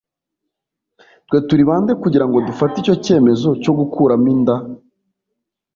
“ Twe turi bande kugira ngo dufate icyo cyemezo cyo gukuramo inda